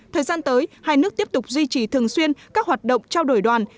thời gian tới hai nước tiếp tục duy trì thường xuyên các hoạt động trao đổi đoàn